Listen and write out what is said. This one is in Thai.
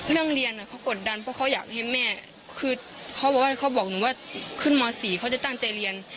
เรียนเขากดดันเพราะเขาอยากให้แม่คือเขาบอกว่าเขาบอกหนูว่าขึ้นม๔เขาจะตั้งใจเรียน